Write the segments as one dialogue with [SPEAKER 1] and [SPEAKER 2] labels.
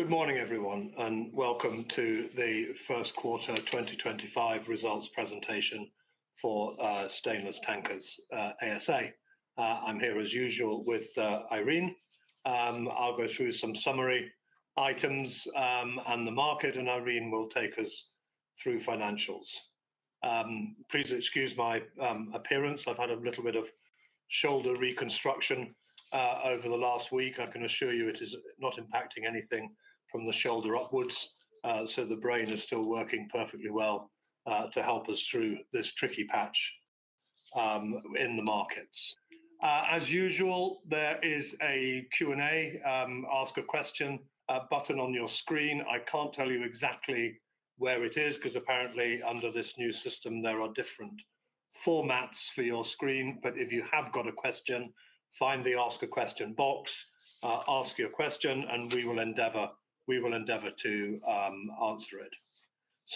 [SPEAKER 1] Good morning, everyone, and welcome to the First Quarter 2025 Results Presentation for Stainless Tankers ASA. I'm here as usual with Irene. I'll go through some summary items, and the market, and Irene will take us through financials. Please excuse my appearance. I've had a little bit of shoulder reconstruction over the last week. I can assure you it is not impacting anything from the shoulder upwards. The brain is still working perfectly well to help us through this tricky patch in the markets. As usual, there is a Q&A, ask a question, button on your screen. I can't tell you exactly where it is because apparently under this new system there are different formats for your screen. If you have got a question, find the ask a question box, ask your question, and we will endeavor, we will endeavor to answer it.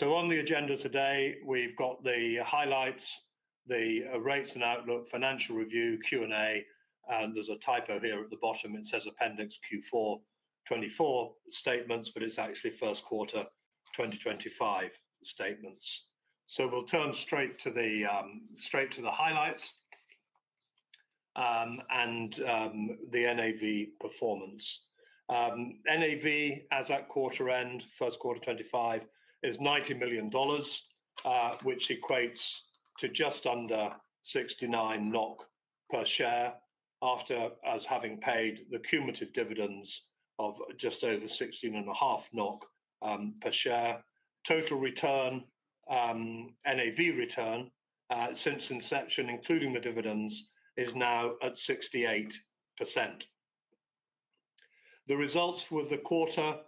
[SPEAKER 1] On the agenda today, we've got the highlights, the rates and outlook, financial review, Q&A, and there's a typo here at the bottom. It says appendix Q4 2024 statements, but it's actually first quarter 2025 statements. We'll turn straight to the highlights, and the NAV performance. NAV as at quarter end, first quarter 2025, is $90 million, which equates to just under 69 NOK per share after us having paid the cumulative dividends of just over 16.5 per share. Total return, NAV return, since inception, including the dividends, is now at 68%. The results for the quarter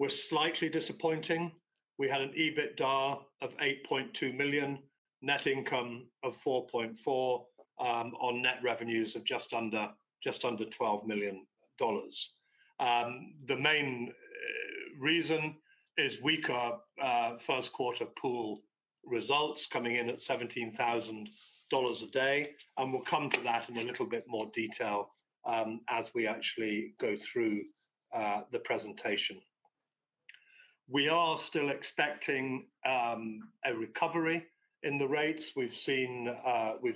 [SPEAKER 1] were slightly disappointing. We had an EBITDA of $8.2 million, net income of $4.4 million, on net revenues of just under $12 million. The main reason is weaker first quarter pool results coming in at $17,000 a day, and we will come to that in a little bit more detail as we actually go through the presentation. We are still expecting a recovery in the rates. We have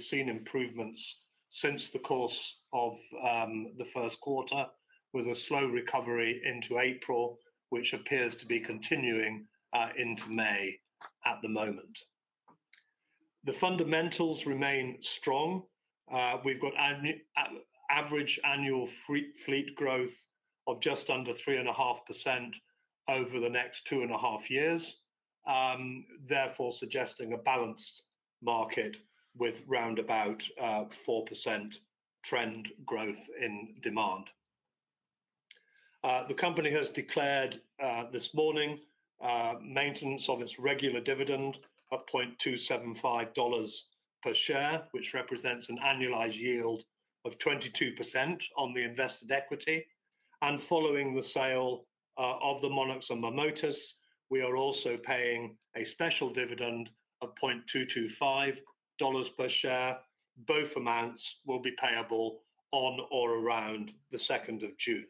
[SPEAKER 1] seen improvements since the course of the first quarter with a slow recovery into April, which appears to be continuing into May at the moment. The fundamentals remain strong. We have got an average annual fleet growth of just under 3.5% over the next two and a half years, therefore suggesting a balanced market with roundabout 4% trend growth in demand. The company has declared this morning maintenance of its regular dividend of $0.275 per share, which represents an annualized yield of 22% on the invested equity. Following the sale of the Monax and Marmotas, we are also paying a special dividend of $0.225 per share. Both amounts will be payable on or around the 2nd of June.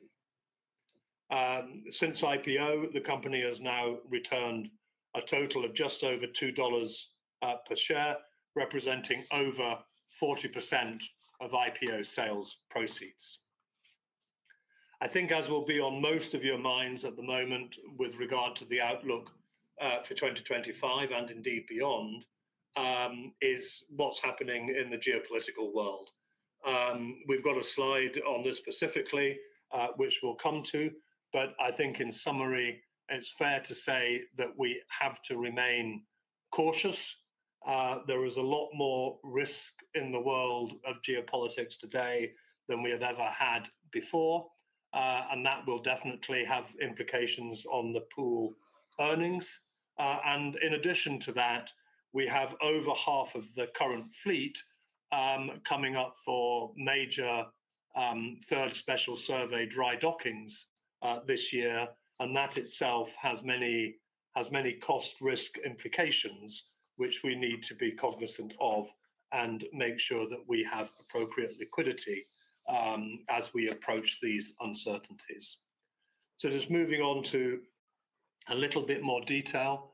[SPEAKER 1] Since IPO, the company has now returned a total of just over $2 per share, representing over 40% of IPO sales proceeds. I think as will be on most of your minds at the moment with regard to the outlook, for 2025 and indeed beyond, is what's happening in the geopolitical world. We've got a slide on this specifically, which we'll come to, but I think in summary, it's fair to say that we have to remain cautious. There is a lot more risk in the world of geopolitics today than we have ever had before, and that will definitely have implications on the pool earnings. In addition to that, we have over half of the current fleet coming up for major third special survey dry dockings this year, and that itself has many cost risk implications, which we need to be cognizant of and make sure that we have appropriate liquidity as we approach these uncertainties. Just moving on to a little bit more detail,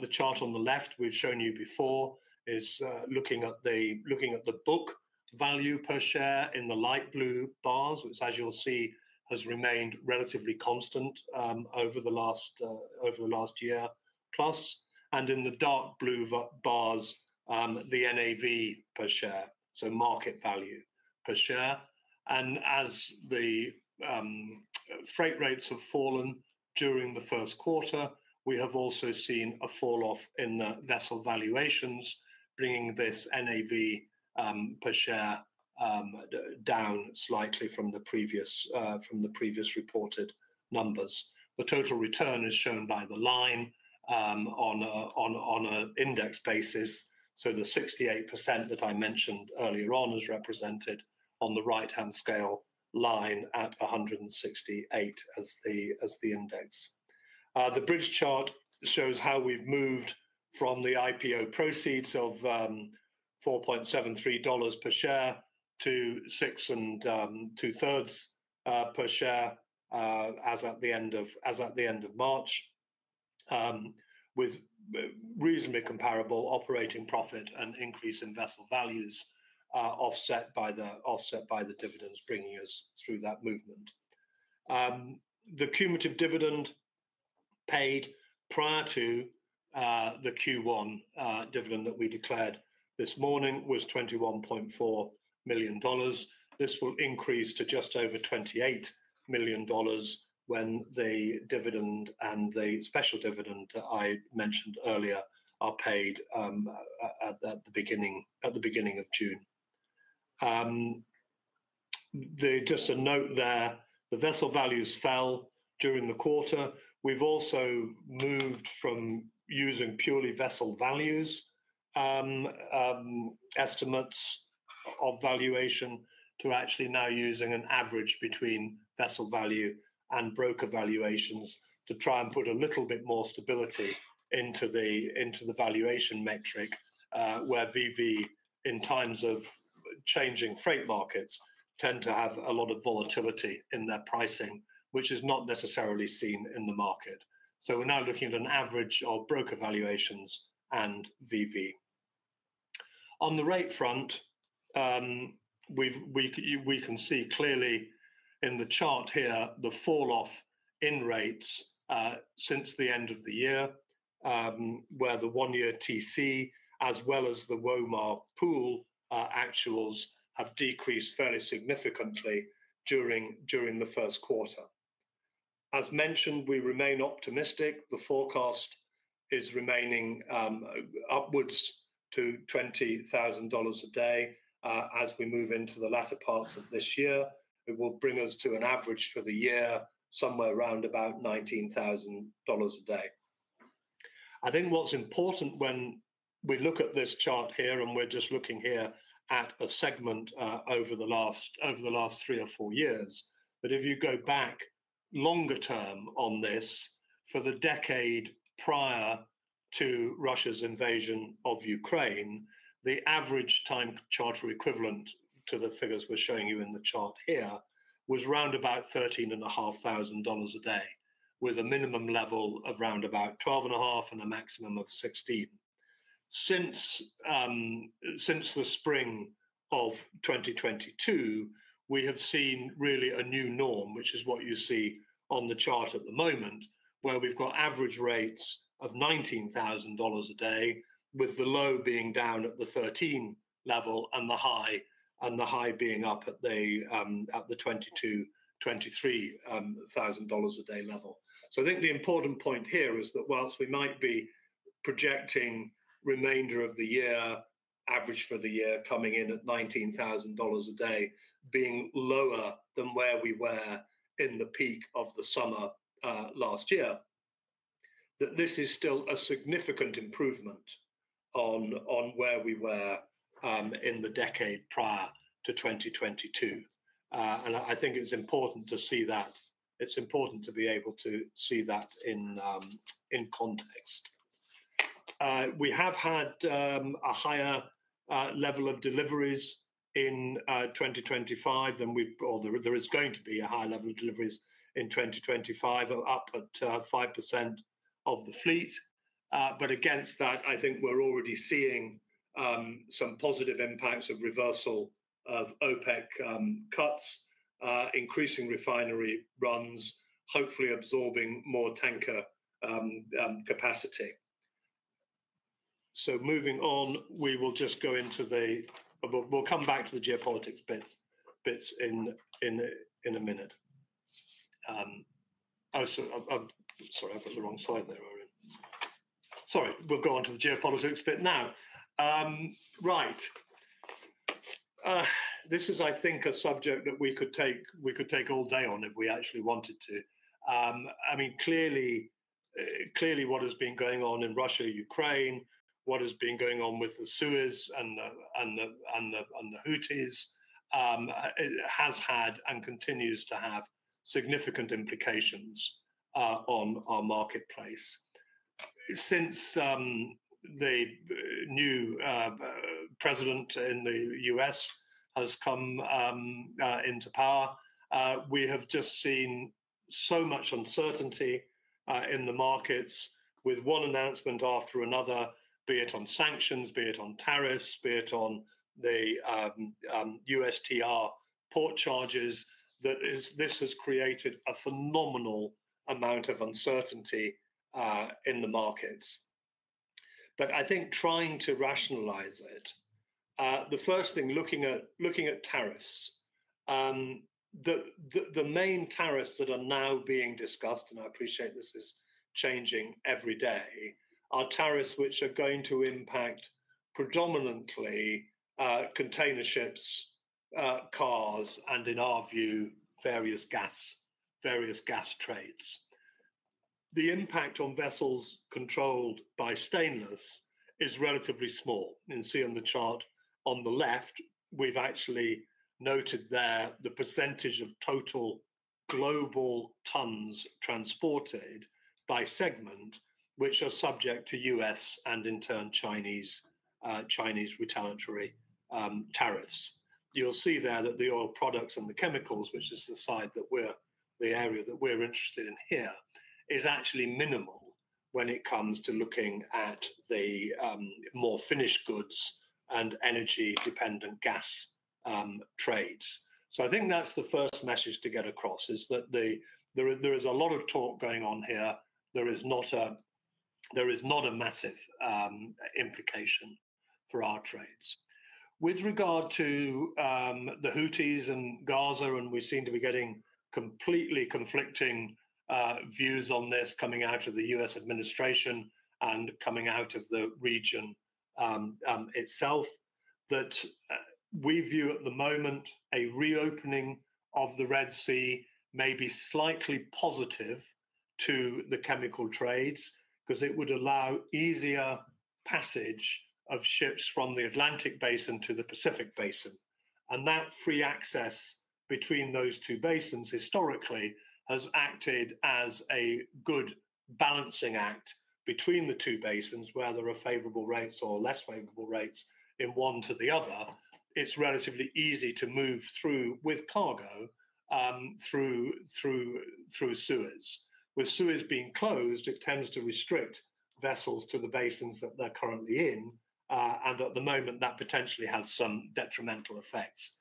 [SPEAKER 1] the chart on the left we've shown you before is looking at the book value per share in the light blue bars, which, as you'll see, has remained relatively constant over the last year plus, and in the dark blue bars, the NAV per share, so market value per share. As the freight rates have fallen during the first quarter, we have also seen a fall off in the vessel valuations, bringing this NAV per share down slightly from the previous reported numbers. The total return is shown by the line on an index basis. The 68% that I mentioned earlier on is represented on the right-hand scale line at 168 as the index. The bridge chart shows how we have moved from the IPO proceeds of $4.73 per share to $6.67 per share as at the end of March, with reasonably comparable operating profit and increase in vessel values, offset by the dividends bringing us through that movement. The cumulative dividend paid prior to the Q1 dividend that we declared this morning was $21.4 million. This will increase to just over $28 million when the dividend and the special dividend that I mentioned earlier are paid at the beginning of June. Just a note there, the vessel values fell during the quarter. We have also moved from using purely vessel values, estimates of valuation, to actually now using an average between vessel value and broker valuations to try and put a little bit more stability into the valuation metric, where VV in times of changing freight markets tend to have a lot of volatility in their pricing, which is not necessarily seen in the market. We are now looking at an average of broker valuations and VV. On the rate front, we can see clearly in the chart here the fall off in rates since the end of the year, where the one-year TC as well as the Womar pool actuals have decreased fairly significantly during the first quarter. As mentioned, we remain optimistic. The forecast is remaining upwards to $20,000 a day, as we move into the latter parts of this year. It will bring us to an average for the year somewhere around about $19,000 a day. I think what's important when we look at this chart here, and we're just looking here at a segment, over the last three or four years, but if you go back longer term on this for the decade prior to Russia's invasion of Ukraine, the average time charter equivalent to the figures we're showing you in the chart here was round about $13,500 a day, with a minimum level of round about $12,500 and a maximum of $16,000. Since the spring of 2022, we have seen really a new norm, which is what you see on the chart at the moment, where we've got average rates of $19,000 a day, with the low being down at the $13,000 level and the high being up at the $22,000-$23,000 a day level. I think the important point here is that whilst we might be projecting remainder of the year average for the year coming in at $19,000 a day being lower than where we were in the peak of the summer, last year, this is still a significant improvement on where we were in the decade prior to 2022. I think it's important to see that. It's important to be able to see that in context. We have had a higher level of deliveries in 2025 than we, or there is going to be a higher level of deliveries in 2025 of up at 5% of the fleet. Against that, I think we're already seeing some positive impacts of reversal of OPEC cuts, increasing refinery runs, hopefully absorbing more tanker capacity. Moving on, we will just go into the, we'll come back to the geopolitics bits in a minute. Oh, I'm sorry, I put the wrong slide there, Irene. Sorry, we'll go on to the geopolitics bit now. Right. This is, I think, a subject that we could take all day on if we actually wanted to. I mean, clearly what has been going on in Russia, Ukraine, what has been going on with the Suez and the Houthis, it has had and continues to have significant implications on our marketplace. Since the new president in the U.S. has come into power, we have just seen so much uncertainty in the markets with one announcement after another, be it on sanctions, be it on tariffs, be it on the USTR port charges. This has created a phenomenal amount of uncertainty in the markets. I think trying to rationalize it, the first thing looking at tariffs, the main tariffs that are now being discussed, and I appreciate this is changing every day, are tariffs which are going to impact predominantly container ships, cars, and in our view, various gas trades. The impact on vessels controlled by Stainless is relatively small. You can see on the chart on the left, we've actually noted there the percentage of total global tons transported by segment, which are subject to U.S. and in turn Chinese, Chinese retaliatory, tariffs. You'll see there that the oil products and the chemicals, which is the side that we're, the area that we're interested in here, is actually minimal when it comes to looking at the more finished goods and energy dependent gas trades. I think that's the first message to get across is that there is a lot of talk going on here. There is not a massive implication for our trades. With regard to the Houthis and Gaza, we seem to be getting completely conflicting views on this coming out of the U.S. administration and coming out of the region itself. We view at the moment a reopening of the Red Sea may be slightly positive to the chemical trades because it would allow easier passage of ships from the Atlantic basin to the Pacific basin. That free access between those two basins historically has acted as a good balancing act between the two basins whether there are favorable rates or less favorable rates in one to the other. It is relatively easy to move with cargo through Suez. With Suez being closed, it tends to restrict vessels to the basins that they are currently in, and at the moment that potentially has some detrimental effects.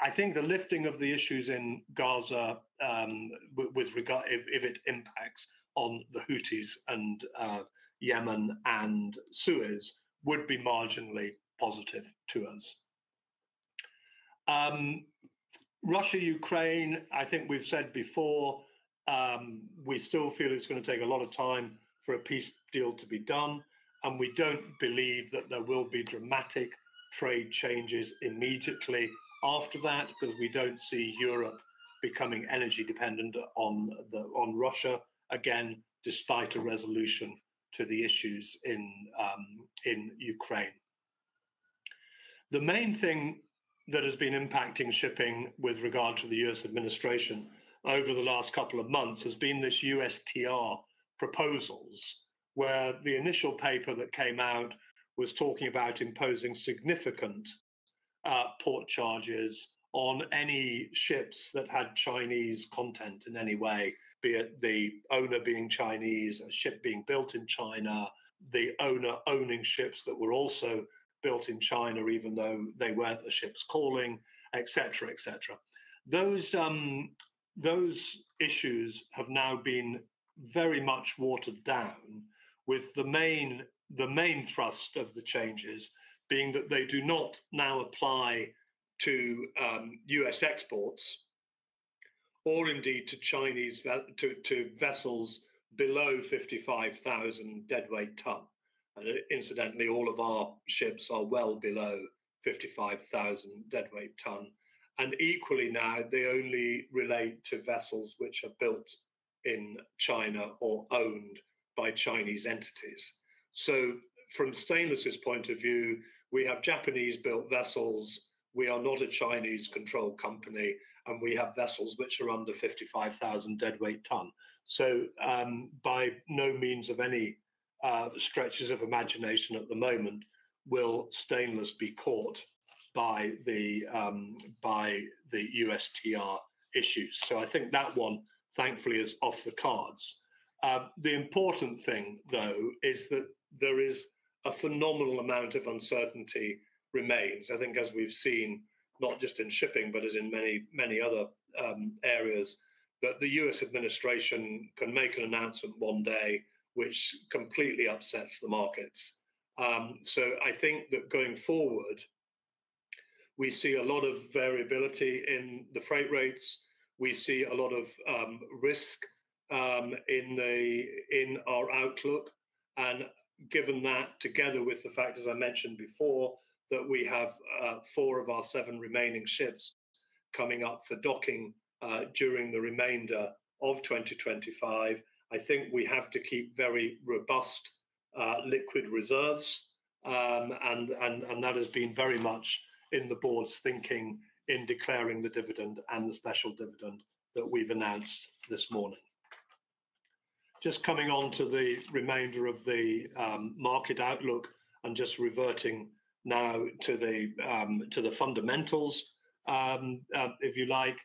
[SPEAKER 1] I think the lifting of the issues in Gaza, with regard, if it impacts on the Houthis and Yemen and Suez would be marginally positive to us. Russia, Ukraine, I think we've said before, we still feel it's gonna take a lot of time for a peace deal to be done, and we don't believe that there will be dramatic trade changes immediately after that 'cause we don't see Europe becoming energy dependent on Russia again, despite a resolution to the issues in Ukraine. The main thing that has been impacting shipping with regard to the U.S. administration over the last couple of months has been this USTR proposals where the initial paper that came out was talking about imposing significant port charges on any ships that had Chinese content in any way, be it the owner being Chinese, a ship being built in China, the owner owning ships that were also built in China, even though they were not the ships calling, et cetera, et cetera. Those issues have now been very much watered down with the main thrust of the changes being that they do not now apply to U.S. exports or indeed to Chinese, to vessels below 55,000 deadweight ton. Incidentally, all of our ships are well below 55,000 deadweight ton. Equally, now they only relate to vessels which are built in China or owned by Chinese entities. From Stainless's point of view, we have Japanese built vessels, we are not a Chinese controlled company, and we have vessels which are under 55,000 deadweight ton. By no means of any stretch of imagination at the moment will Stainless be caught by the USTR issues. I think that one thankfully is off the cards. The important thing though is that there is a phenomenal amount of uncertainty that remains. I think as we've seen, not just in shipping, but as in many, many other areas, the U.S. administration can make an announcement one day which completely upsets the markets. I think that going forward we see a lot of variability in the freight rates. We see a lot of risk in our outlook. Given that together with the fact, as I mentioned before, that we have four of our seven remaining ships coming up for docking during the remainder of 2025, I think we have to keep very robust, liquid reserves. That has been very much in the board's thinking in declaring the dividend and the special dividend that we have announced this morning. Just coming onto the remainder of the market outlook and just reverting now to the fundamentals, if you like,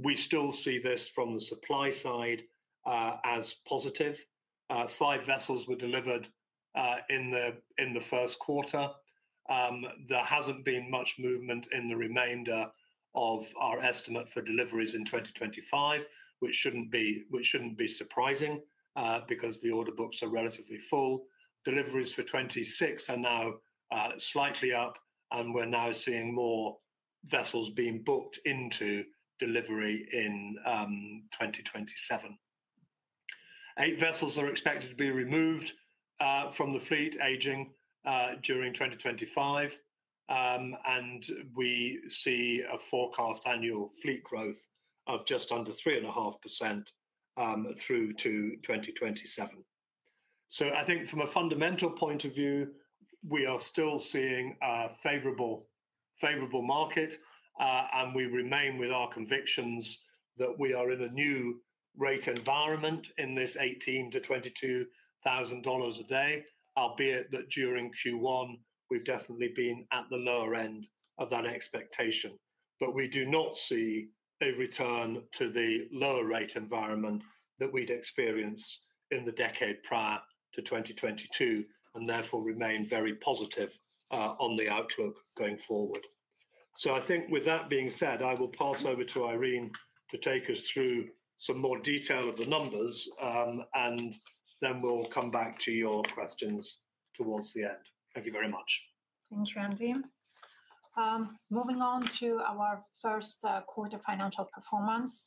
[SPEAKER 1] we still see this from the supply side as positive. Five vessels were delivered in the first quarter. There has not been much movement in the remainder of our estimate for deliveries in 2025, which should not be surprising, because the order books are relatively full. Deliveries for 2026 are now slightly up, and we're now seeing more vessels being booked into delivery in 2027. Eight vessels are expected to be removed from the fleet aging during 2025, and we see a forecast annual fleet growth of just under 3.5% through to 2027. I think from a fundamental point of view, we are still seeing a favorable, favorable market, and we remain with our convictions that we are in a new rate environment in this $18,000-$22,000 a day, albeit that during Q1 we've definitely been at the lower end of that expectation, but we do not see a return to the lower rate environment that we'd experienced in the decade prior to 2022 and therefore remain very positive on the outlook going forward. I think with that being said, I will pass over to Irene to take us through some more detail of the numbers, and then we'll come back to your questions towards the end. Thank you very much.
[SPEAKER 2] Thanks, Randy. Moving on to our first quarter financial performance.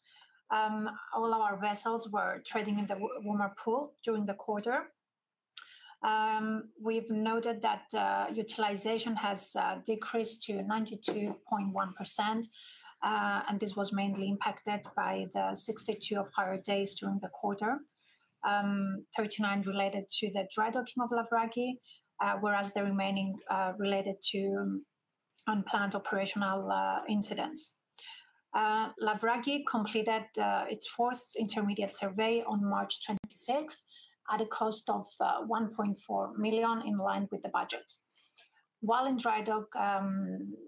[SPEAKER 2] All our vessels were trading in the Womar pool during the quarter. We've noted that utilization has decreased to 92.1%, and this was mainly impacted by the 62 of higher days during the quarter, 39 related to the dry docking of Lavraki, whereas the remaining related to unplanned operational incidents. Lavraki completed its fourth intermediate survey on March 26 at a cost of $1.4 million in line with the budget. While in dry dock,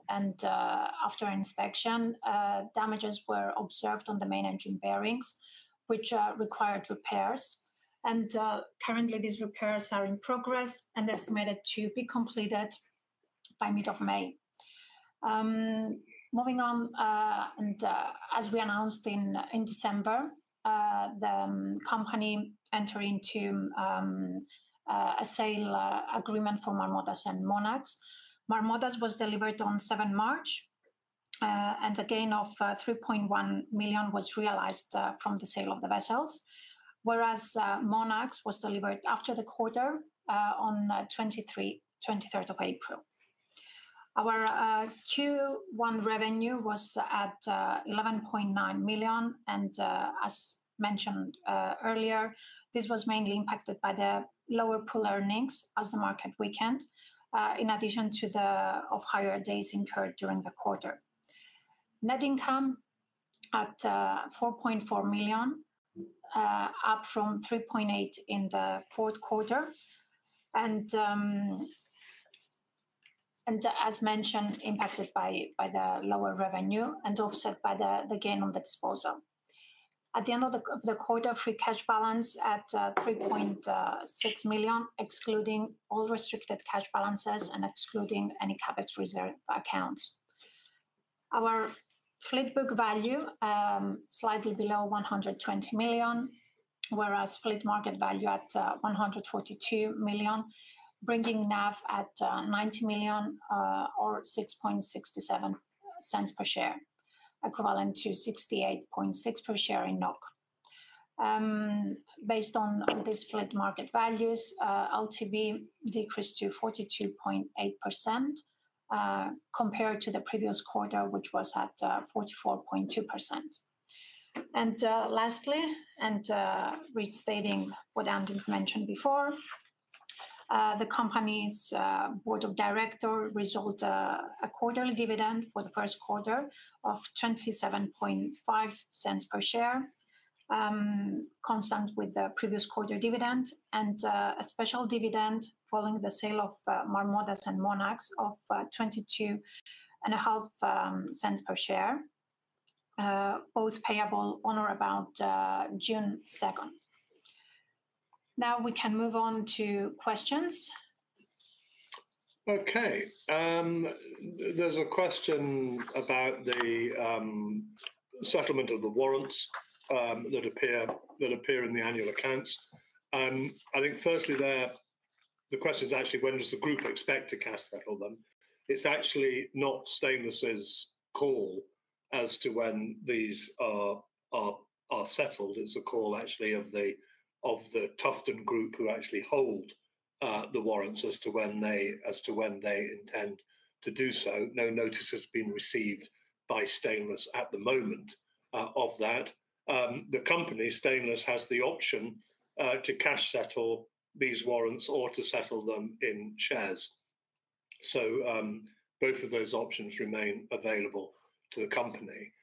[SPEAKER 2] and after inspection, damages were observed on the main engine bearings, which required repairs. Currently these repairs are in progress and estimated to be completed by mid of May. Moving on, as we announced in December, the company entered into a sale agreement for Marmotas and Monax. Marmotas was delivered on 7 March, and a gain of $3.1 million was realized from the sale of the vessels, whereas Monax was delivered after the quarter, on 23rd, 23rd of April. Our Q1 revenue was at $11.9 million. As mentioned earlier, this was mainly impacted by the lower pool earnings as the market weakened, in addition to the higher days incurred during the quarter. Net income at $4.4 million, up from $3.8 million in the fourth quarter. As mentioned, impacted by the lower revenue and offset by the gain on the disposal. At the end of the quarter, free cash balance at $3.6 million, excluding all restricted cash balances and excluding any cash reserve accounts. Our fleet book value, slightly below $120 million, whereas fleet market value at $142 million, bringing NAV at $90 million, or $0.667 per share, equivalent to 68.6 per share. Based on these fleet market values, LTV decreased to 42.8%, compared to the previous quarter, which was at 44.2%. Lastly, and restating what Andrew mentioned before, the company's board of directors result, a quarterly dividend for the first quarter of $0.275 per share, constant with the previous quarter dividend, and a special dividend following the sale of Marmotas and Monax of $0.225 per share, both payable on or about June 2nd. Now we can move on to questions.
[SPEAKER 1] Okay. There's a question about the settlement of the warrants that appear in the annual accounts. I think firstly, the question's actually when does the group expect to cash settle them? It's actually not Stainless's call as to when these are settled. It's a call actually of the Tufton Group who actually hold the warrants as to when they intend to do so. No notice has been received by Stainless at the moment of that. The company, Stainless, has the option to cash settle these warrants or to settle them in shares. Both of those options remain available to the company.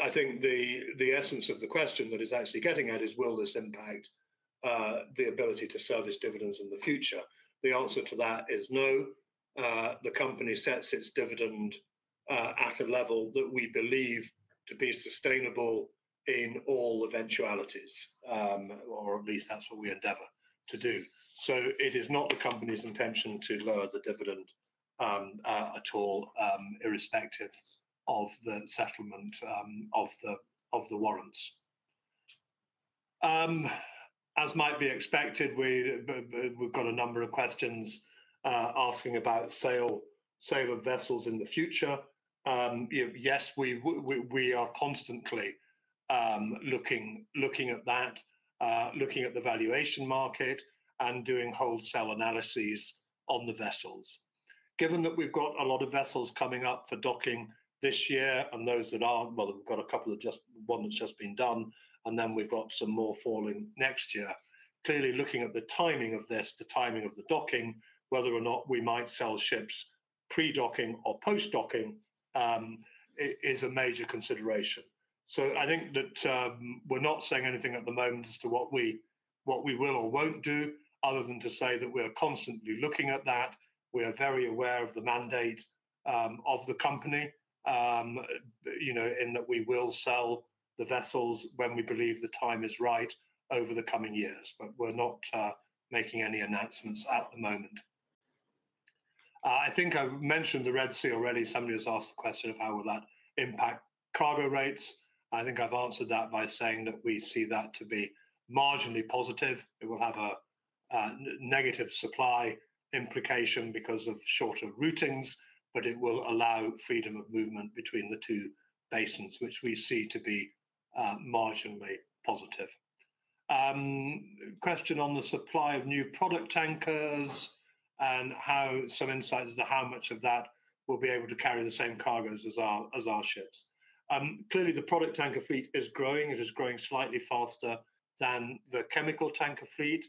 [SPEAKER 1] I think the essence of the question that is actually getting at is will this impact the ability to service dividends in the future? The answer to that is no. The company sets its dividend at a level that we believe to be sustainable in all eventualities, or at least that's what we endeavor to do. It is not the company's intention to lower the dividend at all, irrespective of the settlement of the warrants. As might be expected, we've got a number of questions asking about sale of vessels in the future. Yes, we are constantly looking at that, looking at the valuation market and doing wholesale analyses on the vessels. Given that we've got a lot of vessels coming up for docking this year and those that aren't, we've got a couple that just, one that's just been done, and then we've got some more falling next year. Clearly looking at the timing of this, the timing of the docking, whether or not we might sell ships pre-docking or post-docking, is a major consideration. I think that, we're not saying anything at the moment as to what we will or will not do other than to say that we are constantly looking at that. We are very aware of the mandate, of the company, you know, in that we will sell the vessels when we believe the time is right over the coming years, but we're not making any announcements at the moment. I think I've mentioned the Red Sea already. Somebody has asked the question of how will that impact cargo rates. I think I've answered that by saying that we see that to be marginally positive. It will have a negative supply implication because of shorter routings, but it will allow freedom of movement between the two basins, which we see to be marginally positive. Question on the supply of new product tankers and some insight as to how much of that will be able to carry the same cargoes as our ships. Clearly the product tanker fleet is growing. It is growing slightly faster than the chemical tanker fleet.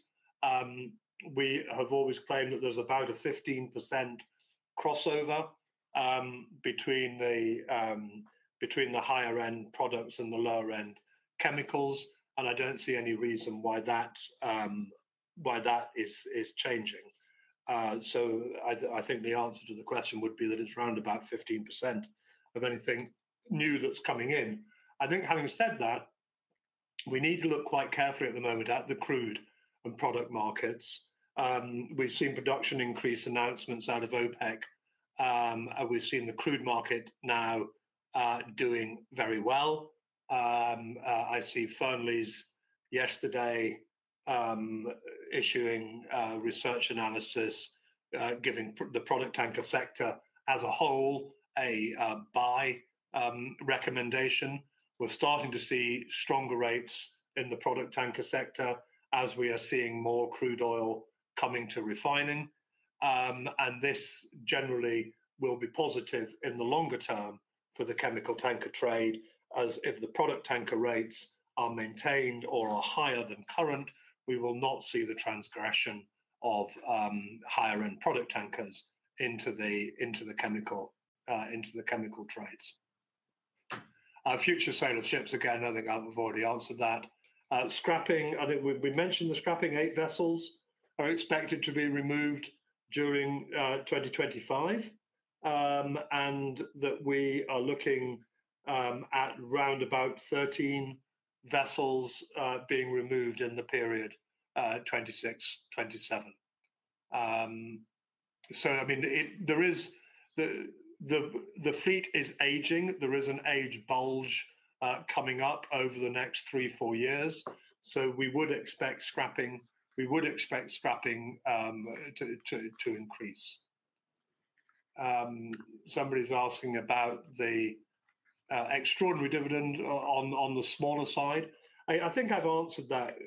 [SPEAKER 1] We have always claimed that there is about a 15% crossover between the higher end products and the lower end chemicals. I do not see any reason why that is changing. I think the answer to the question would be that it is around 15% of anything new that is coming in. I think having said that, we need to look quite carefully at the moment at the crude and product markets. We've seen production increase announcements out of OPEC, and we've seen the crude market now, doing very well. I see Fearnleys yesterday, issuing research analysis, giving the product tanker sector as a whole a buy recommendation. We're starting to see stronger rates in the product tanker sector as we are seeing more crude oil coming to refining. This generally will be positive in the longer term for the chemical tanker trade. As if the product tanker rates are maintained or are higher than current, we will not see the transgression of higher end product tankers into the chemical trades. Future sale of ships. Again, I think I've already answered that. Scrapping, I think we mentioned the scrapping. Eight vessels are expected to be removed during 2025, and we are looking at around 13 vessels being removed in the period 2026-2027. I mean, the fleet is aging. There is an age bulge coming up over the next three to four years. We would expect scrapping to increase. Somebody's asking about the extraordinary dividend on the smaller side. I think I've answered that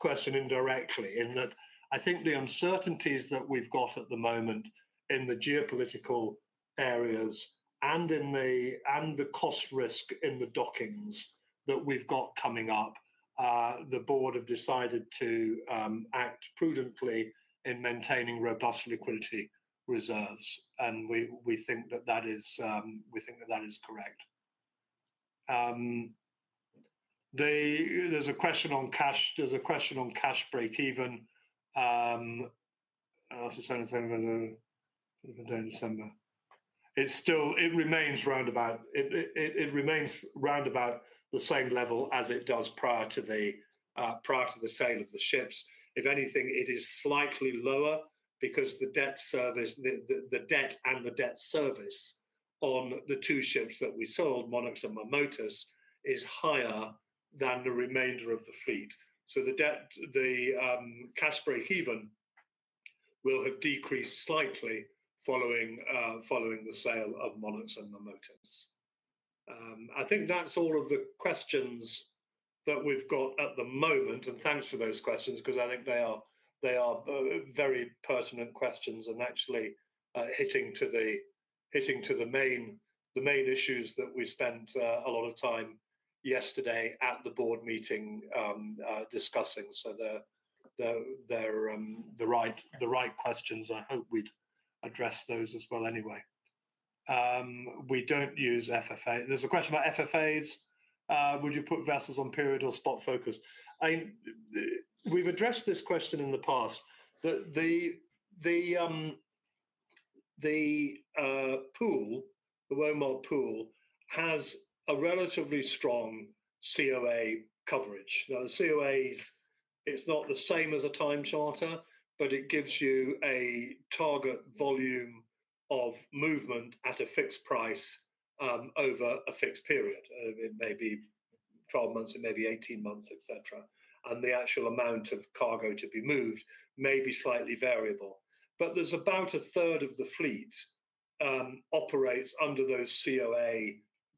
[SPEAKER 1] question indirectly in that I think the uncertainties that we've got at the moment in the geopolitical areas and the cost risk in the dockings that we've got coming up, the board have decided to act prudently in maintaining robust liquidity reserves. We think that that is correct. There's a question on cash. There's a question on cash break-even. I'll have to send it to him in the day in December. It still remains round about the same level as it does prior to the sale of the ships. If anything, it is slightly lower because the debt and the debt service on the two ships that we sold, Monax and Marmotas, is higher than the remainder of the fleet. So the cash break-even will have decreased slightly following the sale of Monax and Marmotas. I think that's all of the questions that we've got at the moment. Thanks for those questions 'cause I think they are very pertinent questions and actually, hitting to the main issues that we spent a lot of time yesterday at the board meeting discussing. The right questions, I hope we'd address those as well anyway. We do not use FFA. There is a question about FFAs. Would you put vessels on period or spot focus? I mean, we've addressed this question in the past that the pool, the Womar pool, has a relatively strong COA coverage. Now the COAs, it's not the same as a time charter, but it gives you a target volume of movement at a fixed price over a fixed period. It may be 12 months, it may be 18 months, et cetera. The actual amount of cargo to be moved may be slightly variable. There is about 1/3 of the fleet that operates under those COA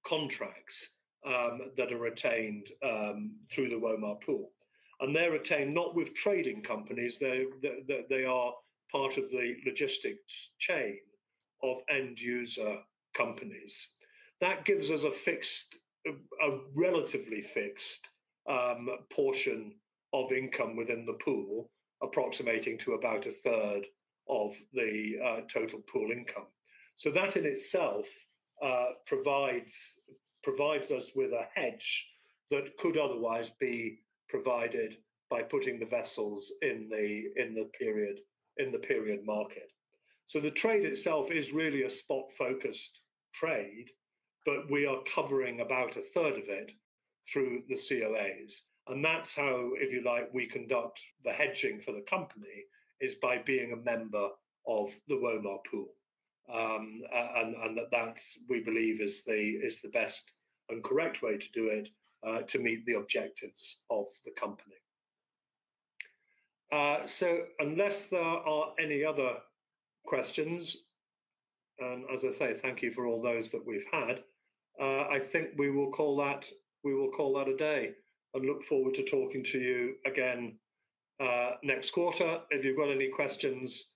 [SPEAKER 1] contracts that are retained through the Womar pool. They are retained not with trading companies. They are part of the logistics chain of end user companies. That gives us a fixed, a relatively fixed, portion of income within the pool, approximating to about 1/3 of the total pool income. That in itself provides us with a hedge that could otherwise be provided by putting the vessels in the period market. The trade itself is really a spot focused trade, but we are covering about a third of it through the COAs. That is how, if you like, we conduct the hedging for the company, by being a member of the Womar pool. That, we believe, is the best and correct way to do it, to meet the objectives of the company. Unless there are any other questions, and as I say, thank you for all those that we've had, I think we will call that a day and look forward to talking to you again next quarter. If you've got any questions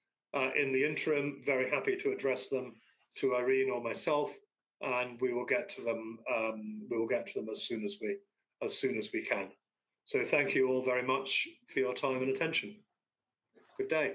[SPEAKER 1] in the interim, very happy to address them to Irene or myself, and we will get to them as soon as we can. Thank you all very much for your time and attention. Good day.